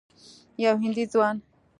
یو هندي ځوان